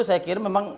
saya kira memang